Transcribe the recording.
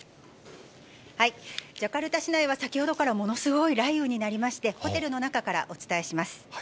ジャカルタ市内は先ほどからものすごい雷雨になりまして、ホテルの中からお伝えします。